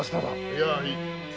いやいい。